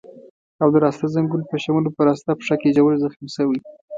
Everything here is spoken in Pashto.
او د راسته ځنګون په شمول په راسته پښه کې ژور زخمي شوی.